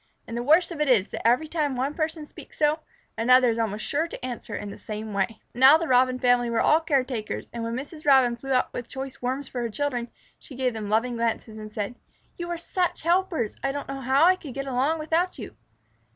And the worst of it is that every time one person speaks so, another is almost sure to answer in the same way. Now the Robin family were all caretakers, and when Mrs. Robin flew up with choice Worms for her children, she gave them loving glances, and said, "You are such helpers! I don't know how I could get along without you."